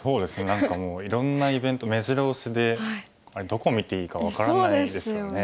何かもういろんなイベントめじろ押しでどこを見ていいか分からないですよね。